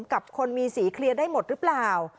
กับคนมีสีเคลียร์ได้หมดหรือเปล่า